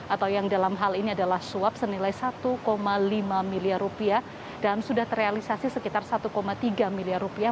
atau yang dalam hal ini adalah suap senilai satu lima miliar rupiah dan sudah terrealisasi sekitar satu tiga miliar rupiah